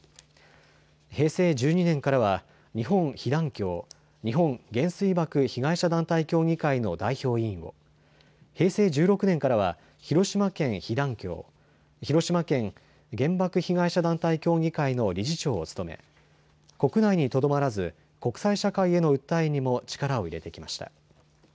平成１２年からは広島県被団協・日本原水爆被害者団体協議会の代表委員は平成１６年からは広島県被団協・広島県被団協・日本原水爆被害者団体協議会の理事長を務め国内にとどまらず国際社会への訴えにも力を入れてきました。